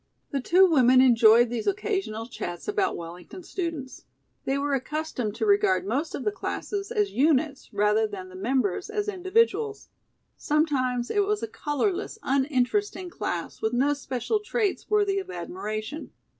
The two women enjoyed these occasional chats about Wellington students. They were accustomed to regard most of the classes as units rather than the members as individuals. Sometimes it was a colorless, uninteresting class with no special traits worthy of admiration.